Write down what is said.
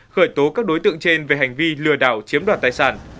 khởi tố các đối tượng trên về hành vi lừa đảo chiếm đoạt tài sản